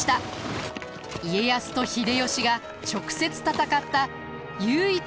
家康と秀吉が直接戦った唯一の大戦です。